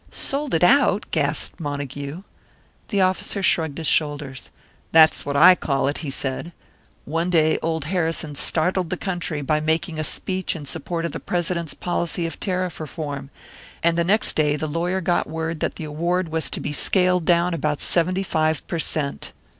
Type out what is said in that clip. "Sold it out!" gasped Montague. The officer shrugged his shoulders. "That's what I call it," he said. "One day old Harrison startled the country by making a speech in support of the President's policy of tariff reform; and the next day the lawyer got word that the award was to be scaled down about seventy five per cent!"